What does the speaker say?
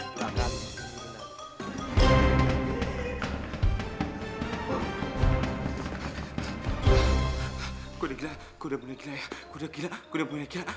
kok udah gila ya